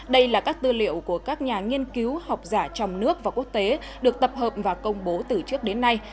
đây là các tư liệu của các nhà nghiên cứu học giả trong nước và quốc tế được tập hợp và công bố từ trước đến nay